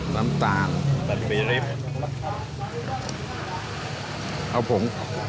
น้ำส้มมะคาม